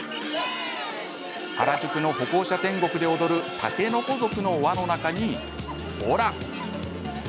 原宿の歩行者天国で踊る竹の子族の輪の中に、ほら。